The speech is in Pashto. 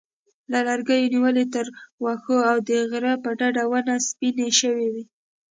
له لرګیو نیولې تر واښو او د غره په ډډه ونې سپینې شوې وې.